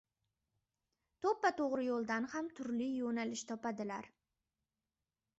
To‘ppa-to‘g‘ri yo‘ldan ham turli yo‘nalish topadilar.